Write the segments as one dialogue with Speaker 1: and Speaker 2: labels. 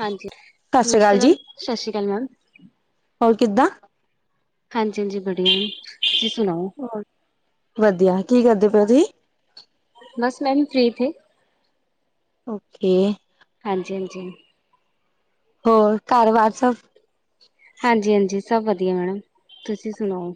Speaker 1: ਹਾਂਜੀ
Speaker 2: ਸਤਿ ਸ਼੍ਰੀ ਅਕਾਲ
Speaker 1: ਨਮਸਤੇ
Speaker 2: ਜੀ,
Speaker 1: ਮੈਮ। ਸਤਿ ਸ਼੍ਰੀ ਅਕਾਲ ਮੈਮ [inaudible]
Speaker 2: ਹੋਰ ਕਿੱਦਾਂ?
Speaker 1: ਹਾਂਜੀ ਹਾਂਜੀ ਬੜੀਆ ਨੇ ਜ
Speaker 2: ਵਧੀਆ ਕੀ ਕਰਦੇ? ਪ [unintelligible]
Speaker 1: ਬਸ ਮੈਮ ਫ੍ਰਰੀ ਥੇ
Speaker 2: ਓਕੇ
Speaker 1: ਹਾਂਜੀ ਹਾਂਜੀ
Speaker 2: ਹੋਰ ਕਾਰਵਾਰ ਚ
Speaker 1: ਹਾਂਜੀ ਹਾਂਜੀ ਸਭ ਵਧੀਆ ਮੈਡਮ ਤੁਸੀਂ ਸੁਣਾਓ?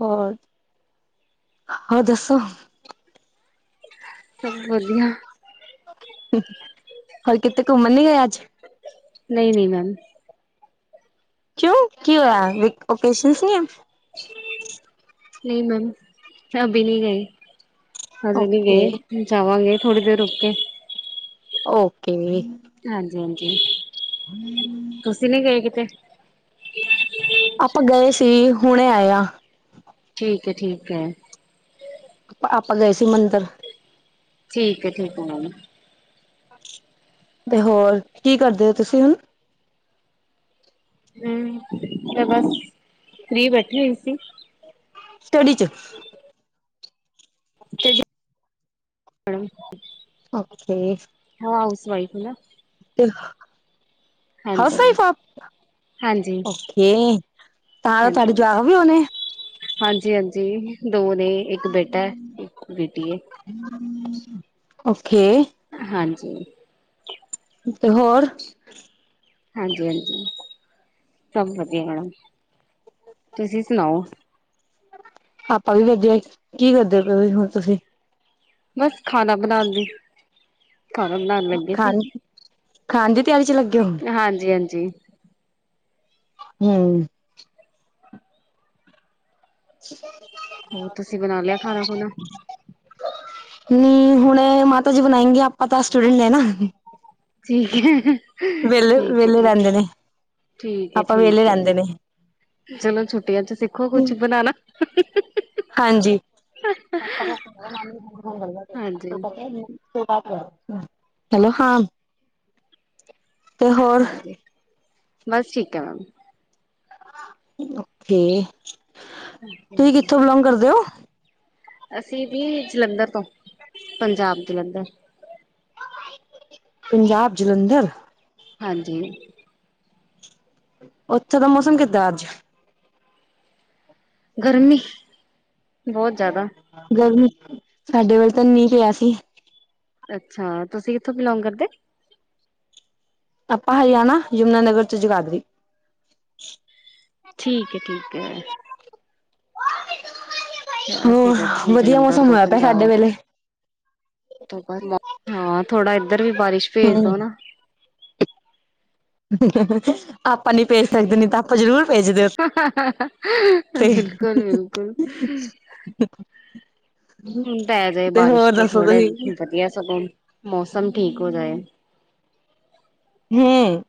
Speaker 2: ਹੋਰ, ਹੋਰ ਦੱਸੋ?
Speaker 1: ਸਭ ਵਧੀਆ
Speaker 2: ਹੋਰ ਕਿਤੇ ਘੁੰਮਣ ਨੀ ਗਏ ਅੱਜ
Speaker 1: ਨਹੀਂ ਨਹੀਂ ਮੈਮ
Speaker 2: ਕਿਉਂ ਕੀ ਹੋਇਆ ਓਕੇਸ਼ਨ ਨੇ
Speaker 1: ਨਹੀਂ ਮੈਮ ਮੈਂ ਅਭ ਨਹੀਂ ਗਈ ਹਲੀ
Speaker 2: ਓਕੇ,
Speaker 1: ਗ ਚਾਵਾਂਗੇ ਥੋੜ੍ਹੀ ਦੇਰ ਰੁਕ ਕੇ
Speaker 2: ਓਕੇ
Speaker 1: ਹਾਂਜੀ ਹਾਂਜੀ ਤੁਸੀਂ ਨਹੀਂ ਗਏ ਕਿਤੇ?
Speaker 2: ਆਪਾਂ ਗਏ ਸੀ। ਹੁਣੇ ਆਏਆ
Speaker 1: ਠੀਕ ਹੈ। ਠੀਕ ਹੈ।
Speaker 2: ਆਪਾਂ ਗਏ ਸੀ ਮੰਦਰ।
Speaker 1: ਠੀਕ। ਠੀਕ ਹੈ ਮੈਮ
Speaker 2: ਤੇ ਹੋਰ ਕੀ ਕਰਦੇ ਹੋ ਤੁਸੀਂ ਹੁਣ
Speaker 1: ਹਮ ਤੇ ਬਸ ਫਰੀ ਬੈਠੀ ਹੋਈ ਸੀ।
Speaker 2: [unintelligible]
Speaker 1: [inaudible]
Speaker 2: ਅਓਕੇ
Speaker 1: ਹਾਸ ਵਾਈਫ ਨਾ
Speaker 2: [inaudible] ਹਸ
Speaker 1: ਹਾਂਜੀ
Speaker 2: ਪਾ
Speaker 1: ਹਾਂਜੀ
Speaker 2: ਓ ਤਾਂ
Speaker 1: ਹਾਂਜੀ
Speaker 2: ਤੁਹਾਡੇ ਜਵਾਕ ਵੀ ਹੋਣੇ
Speaker 1: ਹਾਂਜੀ ਹਾਂਜੀ। ਦੋਨ ਇੱਕ ਬੇਟਾ ਇੱਕ ਬੇਟੀ ਹੈ
Speaker 2: ਓਕੇੇ
Speaker 1: ਹਾਂਜੀ
Speaker 2: ਤੇ ਹੋਰ?
Speaker 1: ਹਾਂਜੀ ਹਾਂਜੀ। ਸਭ ਵਧੀਆ ਮੈਡਮ। ਤੁਸੀਂ ਸੁਣਾਓ?
Speaker 2: ਆਪਾਂ ਵੀ ਵੇਜਿਆ ਕੀ ਕਰਦੇ ਪ ਹੁਣ ਤੁਸੀਂ
Speaker 1: ਬਸ ਖਾਣਾ ਬਣਾਉਣ ਦੀ ਖ ਲਉਣ ਲੱਗੇ ਸੀ
Speaker 2: ਹਾਂਜੀ।
Speaker 1: ਹਾਂਜੀ, ਹਾਂਜੀ।
Speaker 2: ਹੂੰ। [unintelligible]
Speaker 1: ਹੋਰ ਤੁਸੀਂ ਬਣਾ ਲਿਆ ਖਾਣਾ ਖੁਣਾ।
Speaker 2: ਨੀ, ਹੁਣ ਮਾਤਾ ਜੀ ਬਣਾਏਂਗੇ ਆਪਾਂ ਤਾਂ ਸਟੂਡੈਂਟ ਐ ਨਾ।
Speaker 1: ਠੀਕ।
Speaker 2: ਵਿਹਲੇ
Speaker 1: ਠੀਕ ਹੈ
Speaker 2: ਵਿਹਲੇ
Speaker 1: ਠੀਕ ਹੈ
Speaker 2: ਰਹਿੰਦੇ ਨੇ।
Speaker 1: ਠੀਕ ਏ।
Speaker 2: ਆਪਾਂ ਵਿਹਲੇ
Speaker 1: ਠੀਕ ਏ।
Speaker 2: ਰਹਿੰਦੇ ਨੇ
Speaker 1: ਚਲੋ ਛੁੱਟੀਆਂ ਚ ਸਿੱਖੋ ਕੁਛ ਬਣਾਣਾ।
Speaker 2: ਹਾਂਜੀ।
Speaker 1: ਹਾਂਜੀ।
Speaker 2: ਹੈਲੋ, ਹਾਂ। ਤੇ ਹੋਰ
Speaker 1: ਹਾਂਜੀ ਬਸ ਠੀਕ ਹੈ ਮੈਮ।
Speaker 2: ਓਕੇ। ਤੁਸੀਂ
Speaker 1: ਹਾਂਜੀ
Speaker 2: ਕਿੱਥੋਂ ਬਿਲੋਂਗ ਕਰਦੇ ਔ?
Speaker 1: ਅਸੀਂ ਵੀ ਜਲੰਧਰ ਤੋਂ ਪੰਜਾਬ, ਜਲੰਧਰ।
Speaker 2: ਪੰਜਾਬ, ਜਲੰਧਰ।
Speaker 1: ਹਾਂਜੀ।
Speaker 2: ਉੱਥੇ ਦਾ ਮੌਸਮ ਕਿੱਦਾਂ ਅੱਜ?
Speaker 1: ਗਰਮੀ। ਬਹੁਤ ਜ਼ਿਆਦਾ
Speaker 2: ਗਰਮੀ ਸਾਡੇ ਵੱਲ ਤਾਂ ਨੀ ਪਿਆ ਸੀ।
Speaker 1: ਅੱਛਾ, ਤੁਸੀਂ ਕਿੱਥੋਂ ਬਿਲੋਂਗ ਕਰਦੇ?
Speaker 2: ਆਪਾਂ ਹਰਿਆਣਾ, ਯਮੁਨਾਨਗਰ ਚ ਜਗਾਦਰੀ।
Speaker 1: ਠੀਕ ਏ। ਠੀਕ ਏ। ਅਸੀਂ
Speaker 2: ਹੋਰ
Speaker 1: ਤਾਂ ਇੱਥੋਂ
Speaker 2: ਵਧੀਆ ਮੌਸਮ ਹੋਇਆ ਪਿਆ। ਹਾਡੇ ਵੇਲੇ।
Speaker 1: ਬਾਅਦ ਹਾਂ ਥੋੜਾ ਇੱਧਰ ਵੀ ਬਾਰਿਸ਼ ਭੇਜ
Speaker 2: ਹੂੰ।
Speaker 1: ਦੋ ਨਾ।
Speaker 2: ਆਪਾਂ ਨੀ ਭੇਜ ਸਕਦੇ ਨੀ ਤਾਂ ਆਪਾਂ ਜ਼ਰੂਰ ਭੇਜਦੇ ਉੱਥੇ
Speaker 1: [unintelligible] ਬਿਲਕੁਲ, ਬਿਲਕੁਲ। ਹੁਣ ਪੈ ਜਾਏ
Speaker 2: ਤੇ
Speaker 1: ਬਾਰਿਸ਼
Speaker 2: ਹੋਰ
Speaker 1: ਤਾਂ
Speaker 2: ਦੱਸੋ
Speaker 1: ਥੋੜ੍ਹਾ
Speaker 2: ਤੁਸੀਂ
Speaker 1: ਵਧੀਆ ਸਗੋਂ ਮੌਸਮ ਠੀਕ ਹੋ ਜਾਏ।
Speaker 2: ਹੂੰ।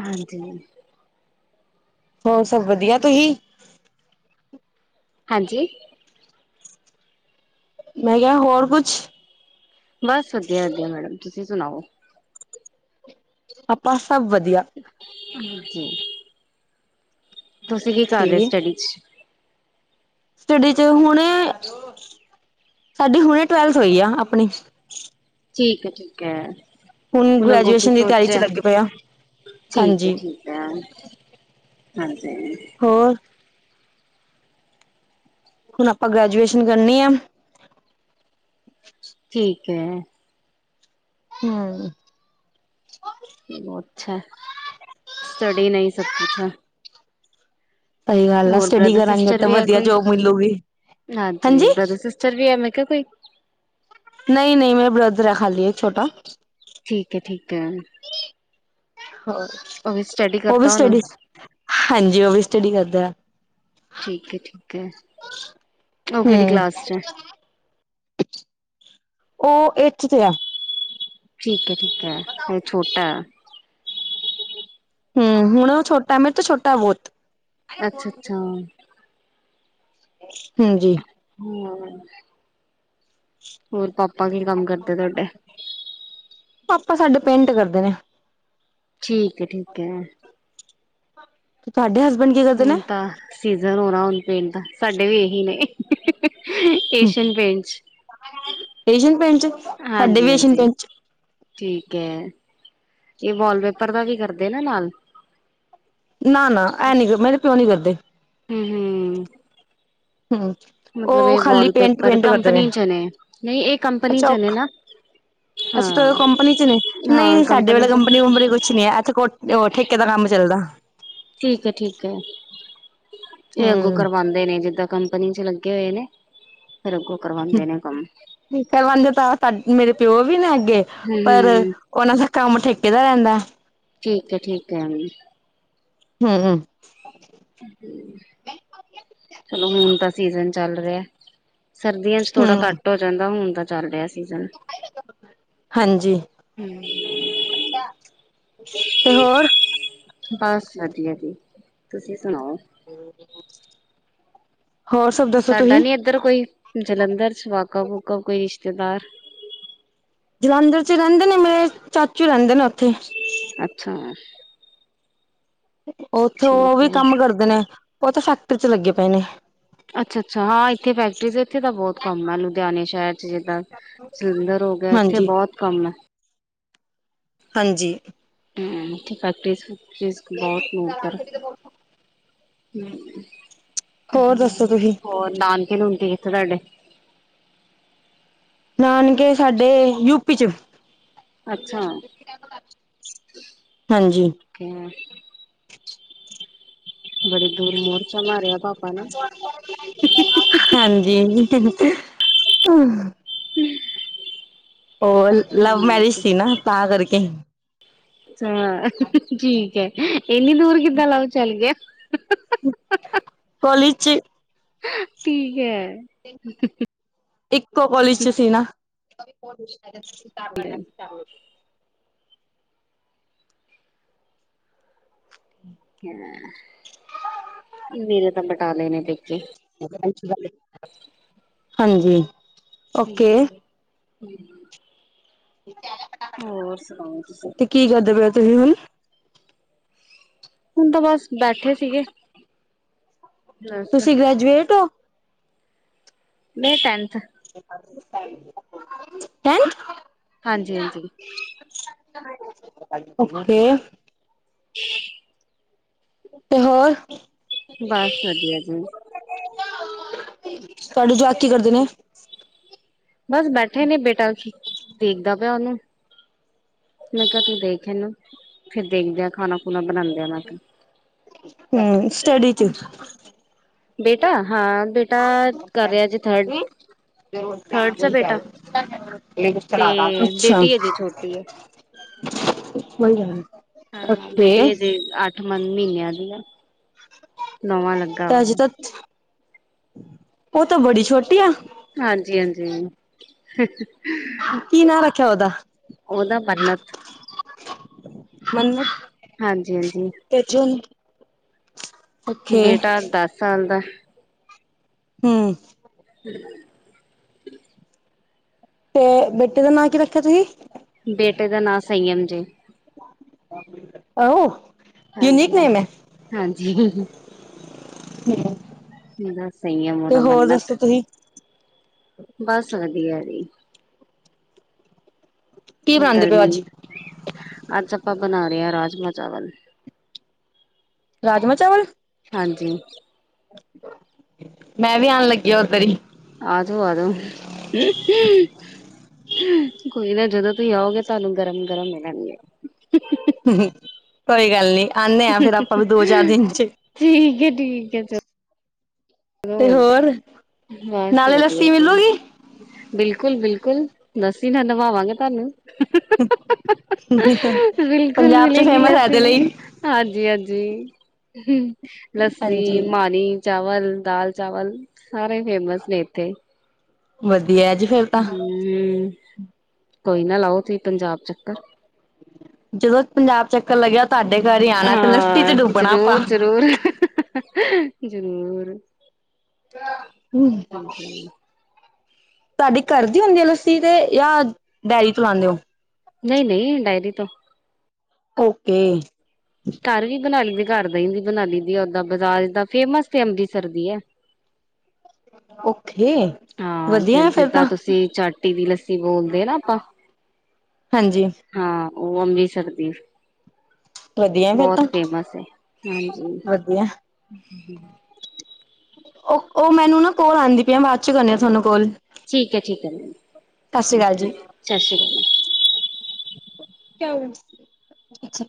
Speaker 1: ਹਾਂਜੀ।
Speaker 2: ਹੋਰ ਸਭ ਵਧੀਆ ਤੁਸੀ?
Speaker 1: ਹਾਂਜੀ।
Speaker 2: ਮੈਂ ਕਿਹਾ ਹੋਰ ਕੁਛ
Speaker 1: ਬਸ ਵਧੀਆ, ਵਧੀਆ ਮੈਡਮ। ਤੁਸੀਂ ਸੁਣਾਓ?
Speaker 2: ਆਪਾਂ ਸਭ ਵਧੀਆ।
Speaker 1: ਹਾਂਜੀ ਤੁਸੀਂ ਕੀ ਕਰ ਰਹੇ,
Speaker 2: ਓਕੇ
Speaker 1: ਸਟੱਡੀ ਚ?
Speaker 2: ਸਟੱਡੀ ਚ ਹੁਣੇ, ਸਾਡੀ ਹੁਣੇ ਟਵੈਲਥ ਹੋਈ ਆ ਆਪਣੀ।
Speaker 1: ਠੀਕ ਹੈ, ਠੀਕ ਹੈ।
Speaker 2: ਹੁਣ
Speaker 1: ਅੱਗੋਂ ਕੀ
Speaker 2: ਗ੍ਰੈਜੂਏਸ਼ਨ ਦੀ ਤਿਆਰੀ ਚ
Speaker 1: ਸੋਚਿਆ
Speaker 2: ਲੱਗੇ ਪਏ ਆਂ।
Speaker 1: ਠੀਕ ਹੈ
Speaker 2: ਹਾਂਜੀ
Speaker 1: ਠੀਕ ਹੈ
Speaker 2: ਹੋਰ
Speaker 1: ਹਾਂਜੀ
Speaker 2: ਹੁਣ ਆਪਾਂ ਗ੍ਰੈਜੂਏਸ਼ਨ ਕਰਨੀ ਆ।
Speaker 1: ਤੇ
Speaker 2: ਹੂੰ
Speaker 1: ਬਹੁਤ ਅੱਛਾ ਹੈ, ਸਟਡੀ ਨਹੀਂ ਸਭ ਕੁਛ ਹੈ।
Speaker 2: ਸਹੀ ਗੱਲ ਆ
Speaker 1: ਹੋਰ
Speaker 2: ਸਟੱਡੀ
Speaker 1: ਬ੍ਰਦਰ
Speaker 2: ਕਰਾਂਗੇ,
Speaker 1: ਸਿਸਟਰ
Speaker 2: ਤੇ
Speaker 1: ਵੀ ਹੈ
Speaker 2: ਵਧੀਆ
Speaker 1: ਕੋਈ
Speaker 2: ਜੋਬ ਮਿਲੂਗੀ। ਹਾਂਜੀ
Speaker 1: ਕਿਉਂ ਕੋਈ
Speaker 2: ਨਹੀਂ, ਨਹੀਂ ਮੇਰਾ ਬ੍ਰਦਰ ਹੈ। ਖਾਲੀ ਹੈ ਇੱਕ ਛੋਟਾ।
Speaker 1: ਠੀਕ ਹੈ, ਠੀਕ ਹੈ। ਉਹ ਵੀ ਸਟੱਡੀ
Speaker 2: ਉਹ ਵੀ
Speaker 1: ਕਰਤਾ ਹੋਣਾ
Speaker 2: ਸਟੱਡੀ, ਹਾਂਜੀ। ਉਹ ਵੀ ਸਟੱਡੀ ਕਰਦਾ ਆ।
Speaker 1: ਠੀਕ ਹੈ, ਠੀਕ ਹੈ। ਉਹ ਕਿਹੜੀ
Speaker 2: ਹਮ
Speaker 1: ਕਲਾਸ 'ਚ ਏ
Speaker 2: ਉਹ ਐਂਠਤ ਚ ਆ।
Speaker 1: ਠੀਕ ਏ। ਠੀਕ ਹੈ। ਇਹ ਛੋਟਾ ਏ।
Speaker 2: ਹੂੰ, ਹੁਣ ਓਹ ਛੋਟਾ ਮੇਰੇ ਤੇ ਛੋਟਾ ਬਹੁਤ।
Speaker 1: ਅੱਛਾ, ਅੱਛਾ।
Speaker 2: ਅ [unintelligible]
Speaker 1: ਹੁੰ ਹ [unintelligible] ਹੋਰ, ਪਾਪਾ ਕੀ ਕੰਮ ਕਰਦੇ ਤੁਹਾਡੇ?
Speaker 2: ਪਾਪਾ ਸਾਡੇ ਪੈਂਟ ਕਰਦੇ ਨੇ।
Speaker 1: ਠੀਕ ਹੈ, ਠੀਕ ਹੈ।
Speaker 2: ਤੇ ਤੁਹਾਡੇ ਹੱਸ
Speaker 1: ਹੁਣ ਤਾਂ ਸੀਜ਼ਨ ਹੋਣ ਹਾਂ, ਹੁਣ, ਪਿੰਤ ਸਾਡੇ ਵੀ ਇਹੀ ਨੇ। ਏਸ਼ੀਅਨ ਪੈਂਟਸ
Speaker 2: ਏਸ਼ੀਅਨ ਪੇਂਟ ਚ ਸਾਡੇ
Speaker 1: ਹਾਂਜੀ,
Speaker 2: ਵੀ ਏਸ਼ੀਅਨ
Speaker 1: ਹਾਂਜੀ
Speaker 2: ਪੇਂਟ ਚ
Speaker 1: ਠੀਕ ਹੈ। ਇਹ ਵਾਲਪੇਪਰ ਦਾ ਵੀ ਕਰਦੇ ਨਾ ਨਾਲ
Speaker 2: ਨਾ, ਨਾ ਐ ਨੀ ਫਿਰ ਮੇਰੇ ਤੇ ਓ ਨੀ ਕਰਦੇ।
Speaker 1: ਹੂੰ ਹੂੰ
Speaker 2: ਹਮ
Speaker 1: ਮਤਲਬ
Speaker 2: ਉਹ
Speaker 1: ਇਹ
Speaker 2: ਖਾਲੀ ਪੇਂਟ
Speaker 1: ਵਾਲਪੇਪਰ
Speaker 2: ਪੇਂਟ ਕਰਦੇ ਨੇ।
Speaker 1: ਕੰਪਨੀ ਚ ਨਹੀਂ ਇਹ ਕੰਪਨੀ ਚ
Speaker 2: ਅੱਛਾ
Speaker 1: ਨੇ ਨਾ
Speaker 2: ਅੱਛਾ।
Speaker 1: ਹਾਂ
Speaker 2: ਕੰਪਨੀ ਚ ਨੇ?
Speaker 1: ਹਾਂ
Speaker 2: ਨਹੀਂ ਸਾਡੇ ਵੇਲੇ
Speaker 1: ਚ
Speaker 2: ਕੰਪਨੀ ਵਪਨੀ ਕੁਛ ਨੀ ਹੈ। ਇੱਥੇ ਕੋ ਠੇਕੇ ਦਾ ਕੰਮ ਚੱਲਦਾ।
Speaker 1: ਠੀਕ ਹੈ ਠੀਕ ਹੈ ਇਹ ਅੱਗੂ
Speaker 2: ਹੂੰ
Speaker 1: ਕਰਵਾਉਂਦੇ ਨੇ ਜਿੱਦਾਂ ਕੰਪਨੀ ਚ ਲੱਗੇ ਹੋਏ ਨੇ ਫਿਰ ਅੱਗੋਂ ਕਰਵਾਉਂਦੇ ਨੇ ਕੰਮ
Speaker 2: ਕਰਵਾਦੇ ਤਾਂ ਤੁ ਮੇਰੇ ਪਿਓ ਵੀ ਨਾ ਗ
Speaker 1: ਹੂੰ
Speaker 2: ਪਰ
Speaker 1: ਹੂੰ
Speaker 2: ਉਹਨਾਂ ਦਾ ਕੰਮ ਠੇਕ ਕਿਹਦਾ ਰਹਿੰਦਾ
Speaker 1: ਠੀਕ ਹੈ ਠੀਕ ਹੈ
Speaker 2: ਹਮ ਮੇਰਾ ਕਿਹੜਾ ਪਬਲਿਕ
Speaker 1: ਚਲੋ ਹੁਣ ਤਾਂ ਸੀਜਨ ਚੱਲ ਰਿਹਾ ਸਰਦੀਆਂ ਚ ਥੋੜਾ
Speaker 2: ਹੂੰ
Speaker 1: ਘੱਟ ਹੋ ਜਾਂਦਾ ਹੁਣ ਤਾਂ ਚੱਲ ਰਿਹਾ ਸੀਜ਼ਨ
Speaker 2: ਹਾਂਜੀ
Speaker 1: ਹ
Speaker 2: ਤੇ ਹੋਰ
Speaker 1: ਬਸ ਵਧੀਆ ਜੀ ਤੁਸੀਂ ਸੁਣਾਓ
Speaker 2: ਹਮ
Speaker 1: ਤੁਹਾਡਾ ਨੀ ਇੱਧਰ ਕੋਈ ਜਲੰਧਰ ਚ ਵਾਕ ਫੂਕਾ ਕੋਈ ਰਿਸ਼ਤਾ ਚਦਾਰ
Speaker 2: ਜਲੰਧਰ ਚ ਰਹਿੰਦੇ ਨੇ ਮੇਰੇ ਚਾਚੂ ਰਹਿੰਦੇ ਨੇਥੇ ੱ ਅਤੇ
Speaker 1: ਅੱਛਾ
Speaker 2: ਉੱਥੇ ਉਹ
Speaker 1: ਠੀਕ
Speaker 2: ਵੀ
Speaker 1: ਹੈ
Speaker 2: ਕੰਮ ਕਰਦੇ ਨੇ ਉਹ ਤਾਂ ਫੈਕਟਰੀ ਚ ਲੱਗੇ ਪਏ ਨੇ
Speaker 1: ਅੱਛਾ ਅੱਛਾ ਹਾਂ ਇੱਥੇ ਫੈਕਟਰੀ ਇੱਥੇ ਦਾ ਬਹੁਤ ਕੰਮ ਹੈ ਲੁਧਿਆਣੇ ਸ਼ਹਿਰ ਚ ਜਿੱਦਾਂ ਜਲੰਧਰ ਹੋ ਗਿਆ ਇੱਥੇ
Speaker 2: ਹਾਂਜੀ
Speaker 1: ਬਹੁਤ ਕੰਮ ਹੈ
Speaker 2: ਹਾਂਜੀ
Speaker 1: ਹ ਠੀਕ ਹੈ ਚੀਜ਼ ਬਹੁਤ ਨਤਰ ਹਮ
Speaker 2: ਹੋਰ ਦੱਸੋ ਤੁਸੀਂ
Speaker 1: ਹੋਰ ਨਾਨਕ ਨੂੰ ਹੁੰਦੀ ਥਡੇ
Speaker 2: ਨਾਨਕੇ ਸਾਡੇ ਯੂਪੀ ਚ
Speaker 1: ਅੱਛਾ
Speaker 2: ਹਾਂਜੀ
Speaker 1: ਠੀਕ ਹੈ, ਬੜੀ ਦੂਰ ਮੋਰਚਾ ਮਾਰਿਆ ਪਾਪਾ ਨੇ
Speaker 2: ਹਹ ਉਹ ਲਵ ਮੈਰਿਜ ਸੀ ਨਾ ਤਾਂ ਕਰਕੇ
Speaker 1: ਅਛਾ ਠੀਕ ਹੈ ਇੰਨੀ ਦੂਰ ਕਿੱਦਾਂ ਲਵ ਚੱਲ ਗਏ
Speaker 2: [inaudible]
Speaker 1: ਠੀਕ ਐ।
Speaker 2: ਇੱਕੋ ਕੋਲਜ ਚ ਸੀ ਨਾ। [inaudible] [inaudible]
Speaker 1: ਠੀਕ ਐ। ਮੇਰੇ ਤੇ ਬਟਾਲੇ ਨੇ ਪੇਕੇ।
Speaker 2: ਹਾਂਜੀ।
Speaker 1: ਠੀਕ।
Speaker 2: ਓਕੇ
Speaker 1: ਹੂੰ। ਹੋਰ ਸੁਣਾਓ ਤੁਸੀਂ
Speaker 2: ਤੁਹੀ ਹੁਣ
Speaker 1: ਹੁਣ ਤਾਂ ਬਸ ਬੈਠੇ ਸੀਗੇ। ਬਸ
Speaker 2: ਤੁਸੀਂ ਗ੍ਰੈਜੂਏਟ ਔ?
Speaker 1: ਮੈਂ ਟੈਨਥ
Speaker 2: ਹੈਂ।
Speaker 1: ਹਾਂਜੀ, ਹਾਂਜੀ।
Speaker 2: ਓਕੇ।
Speaker 1: [unintelligible]
Speaker 2: ਤੇ ਹੋਰ
Speaker 1: ਬਸ ਵਧੀਆ ਜੀ।
Speaker 2: ਤੁਹਾਡੇ ਜੁਆਕ ਕੀ ਕਰਦੇ ਨੇ?
Speaker 1: ਬਸ ਬੈਠੇ ਨੇ ਬੇਟਾ ਦੇਖਦਾ ਪਿਆ ਉਹਨੂੰ। ਮੈਂ ਕਿਹਾ ਤੂੰ ਦੇਖ ਇਹਨੂੰ। ਫਿਰ ਦੇਖਦਿਆਂ ਖਾਣਾ ਖੁਣਾ ਬਣਾਉਂਦਿਆਂ ਮੈਂ ਕਿਹਾ।
Speaker 2: ਹੂੰ ਸਟਡੀ ਚ।
Speaker 1: ਬੇਟਾ ਹਾਂ ਬੇਟਾ
Speaker 2: [inaudible]
Speaker 1: ਕਰ ਰਿਹਾ ਜੀ ਥਰਡ
Speaker 2: ਅੱਛਾ।
Speaker 1: ਥਰਡ ਚ
Speaker 2: ਬਣ ਜਾ
Speaker 1: ਬੇਟਾ ਤੇ ਬੇਟੀ ਅਜੇ ਛੋਟੀ ਹੈ
Speaker 2: ਰਹੇ।
Speaker 1: ਹਾਂ, ਬੇਟੀ ਅਜੇ ਅਠ ਮਹੀਨਿਆਂ ਦੀ ਆ। ਨੋਵਾਂ ਲੱਗਾ ਵੈ।
Speaker 2: ਉਹ ਤਾਂ ਬੜੀ ਛੋਟੀ ਆ।
Speaker 1: ਹਾਂਜੀ, ਹਾਂਜੀ। [unintelligible]
Speaker 2: ਕੀ ਨਾਂ ਰੱਖਿਆ ਉਹਦਾ?
Speaker 1: ਉਹਦਾ ਬੰਨਤ
Speaker 2: ਮੰਨਤ।
Speaker 1: ਹਾਂਜੀ, ਹਾਂਜੀ।
Speaker 2: ਓਕੇ
Speaker 1: ਬੇਟਾ ਦਸ ਸਾਲ ਦਾ
Speaker 2: ਹੂੰ।
Speaker 1: [unintelligible]
Speaker 2: ਤੇ ਬੇਟੇ ਦਾ ਨਾਂ ਕੀ ਰੱਖਿਆ ਤੁਸੀਂ
Speaker 1: ਬੇਟੇ ਦਾ ਨਾਂ ਸੰਯਮ ਜੇ
Speaker 2: ਆਹੋ, ਯੂਨੀਕ ਨੇਮ ਹੈ
Speaker 1: ਹਾਂਜੀ-ਹਾਂਜੀ।
Speaker 2: [unintelligible]
Speaker 1: ਇਹਦਾ ਸੰਯਮ,
Speaker 2: ਤੇ
Speaker 1: ਉਹਦਾ
Speaker 2: ਹੋਰ
Speaker 1: ਮੰਨਤ।
Speaker 2: ਦੱਸੋ ਤੁਸੀਂ
Speaker 1: ਗੈਰੀ,
Speaker 2: ਕੀ ਬਣਾਉਂਦੇ ਪਏ ਹੋ
Speaker 1: ਗਰਮੀ
Speaker 2: ਅੱਜ
Speaker 1: ਅੱਜ ਆਪਾਂ ਬਣਾ ਰਾਜਮਾਹ, ਚਾਵਲ
Speaker 2: ਰਾਜਮਾਹ, ਚਾਵਲ।
Speaker 1: ਹਾਂਜੀ।
Speaker 2: ਮੈਂ ਵੀ ਆਣ ਲੱਗੀ ਉੱਧਰ ਹੀ।
Speaker 1: ਆਜੋ-ਆਜੋ। ਕੋਈ ਨਾ ਜਦੋਂ ਤੁਸੀਂ ਆਗੇ, ਤੁਹਾਨੂੰ ਗਰਮ-ਗਰਮ ਮਿਲਣਗੇ।
Speaker 2: [unintelligible] ਕੋਈ ਗੱਲ ਨੀ। ਆਨੇ ਆ ਫੇਰ ਆਪਾਂ ਵੀ ਦੋ ਚਾਰ ਦਿਨ ਚ
Speaker 1: ਫਿਰ ਠੀਕ ਹੈ ਬਸ।
Speaker 2: ਤੇ ਹੋਰ
Speaker 1: ਬਸ
Speaker 2: ਨਾਲੇ
Speaker 1: ਵਧੀਆ
Speaker 2: ਲੱਸੀ
Speaker 1: ਜੀ,
Speaker 2: ਮਿਲੂਗੀ
Speaker 1: ਬਿਲਕੁਲ-ਬਿਲਕੁਲ। ਬਿਲਕੁਲ ਲੱਸੀ ਨਾਲ ਨਹਾਵਗੇ ਤੁਹਾਨੂੰ। ਬਿਲਕੁਲ
Speaker 2: ਪੰਜਾਬ ਚ
Speaker 1: ਮਿਲੇਗੀ
Speaker 2: ਫੇਮਸ ਹੈ ਇਹਦੇ ਲਈ
Speaker 1: ਹੂੰ। ਲੱਸੀ,
Speaker 2: ਹਾਂਜੀ
Speaker 1: ਮਾਣੀ, ਚਾਵਲ ਵੱਲ ਦਾਲ, ਚਾਵਲ ਸਾਰੇ ਫੇਮਸ ਨੇ ਇੱਥੇ
Speaker 2: ਵਧੀ
Speaker 1: ਹੂੰ। ਕੋਈ ਨਾ ਲਾਉ, ਤੁਸੀਂ ਪੰਜਾਬ ਚੱਕਰ
Speaker 2: ਜਦੋਂ ਪੰਜਾਬ ਚੱਕਰ ਲੱਗਿਆ, ਤੁਹਾਡੇ ਘਰ ਹੀ ਆਉਣਾ ਤੇ ਲੱਸੀ ਚ
Speaker 1: ਹਾਂ
Speaker 2: ਡੁੱਬਣਾ ਆਪਾਂ
Speaker 1: ਜ਼ਰੂਰ ਜ਼ਰੂਰ ਜ਼ਰੂਰ
Speaker 2: ਹੂੰ।
Speaker 1: ਹਾਂਜੀ
Speaker 2: ਤੁਹਾਡੀ ਘਰ ਦੀ ਹੁੰਦੀ ਆ ਲੱਸੀ, ਤੇ ਜਾਂ ਡੇਅਰੀ ਤੋਂ ਲਾਂਦੇ ਔ।
Speaker 1: ਨਹੀਂ-ਨਹੀਂ ਡਾਇਰੀ ਤੋਂ
Speaker 2: ਓਕੇ।
Speaker 1: ਘਰ ਵੀ ਬਣਾ ਲੀ ਦੇ, ਕਰ ਦਈ ਵੀ ਬਨਾ ਲਈ ਦੀ ਆ ਓਦਾਂ ਬਜਾਜ ਦਾ ਫੇਮਸ ਤੇ ਅੰਮ੍ਰਿਤਸਰ ਦੀ ਐ,
Speaker 2: ਓਕੇ
Speaker 1: ਹਾਂ ਜ
Speaker 2: ਵਧੀਆ ਫੇਰ
Speaker 1: ਜਿੱਦਾਂ
Speaker 2: ਤਾਂ
Speaker 1: ਤੁਸੀਂ ਚੱ ਟੀ ਵੀ ਲ ਬੋਲਦੇ ਨਾ ਆਪਾਂ
Speaker 2: ਹਾਂਜੀ
Speaker 1: ਹਾਂ ਓ ਅੰਮ੍ ਸ਼ਕਦੀਫ
Speaker 2: ਵਧੀਆ ਫੇਰ ਤਾਂ
Speaker 1: ਬਹੁਤ ਫੇਮਸ ਐ ਹਾਂਜੀ
Speaker 2: ਓ ਓ ਮੈਨੂੰ ਨਾ ਕੋਲ ਆਉਂਦੀ ਪਈ ਆ ਬਾਅਦ ਚ ਕਰਨੀ ਥੋਨੂੰ ਕੋਲ
Speaker 1: ਠੀਕ ਐ ਠੀਕ ਐ
Speaker 2: ਸਤਿ ਸ੍ਰੀ ਅਕਾਲ ਜੀ
Speaker 1: ਸਤਿ ਸ਼੍ਰੀ
Speaker 2: ਅੱਛਾ।